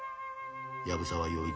藪沢洋一